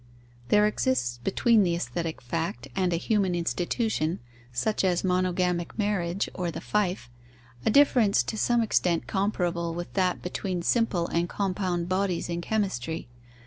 There exists between the aesthetic fact and a human institution (such as monogamic marriage or the fief) a difference to some extent comparable with that between simple and compound bodies in chemistry.